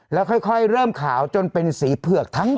แล้วค่อยเริ่มขาวจนเป็นสีเผือกทั้งหมด